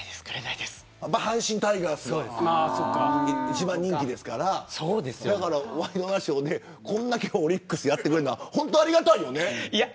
阪神タイガースが一番人気なのでワイドナショーでこれだけオリックスやってくれるのはありがたいよね。